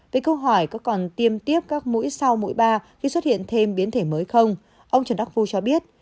về câu hỏi có còn tiêm tiếp các mũi sau mũi ba khi xuất hiện thêm biến thể mới không ông trần đắc phu cho biết